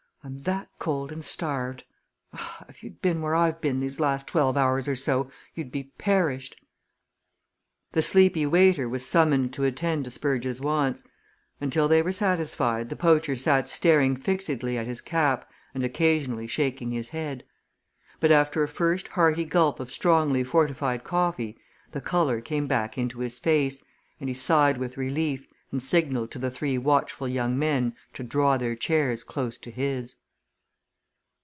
I'm that cold and starved ah, if you'd been where I been this last twelve hours or so, you'd be perished." The sleepy waiter was summoned to attend to Spurge's wants until they were satisfied the poacher sat staring fixedly at his cap and occasionally shaking his head. But after a first hearty gulp of strongly fortified coffee the colour came back into his face, he sighed with relief, and signalled to the three watchful young men to draw their chairs close to his.